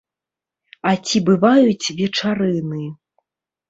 А ці бываюць вечарыны?